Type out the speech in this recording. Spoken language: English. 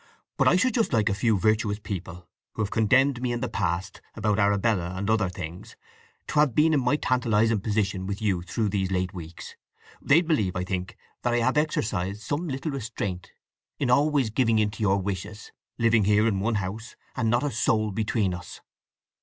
But I should just like a few virtuous people who have condemned me in the past, about Arabella and other things, to have been in my tantalizing position with you through these late weeks!—they'd believe, I think, that I have exercised some little restraint in always giving in to your wishes—living here in one house, and not a soul between us."